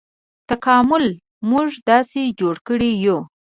تکامل موږ داسې جوړ کړي یوو.